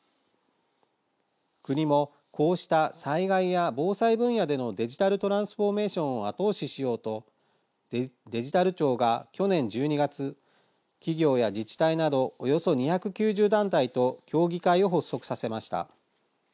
国もこうした災害や防災分野でのデジタルトランスフォーメーションを後押ししようとデジタル庁が去年１２月企業や自治体などおよそ２９０団体と協議会を発足させました。